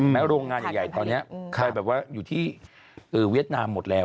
แล้วโรงงานใหญ่ตอนนี้อยู่ที่เวียดนามหมดแล้ว